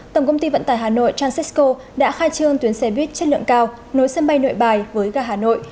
tổng công ty vận tải hà nội transisco đã khai trương tuyến xe buýt chất lượng cao nối sân bay nội bài với gà hà nội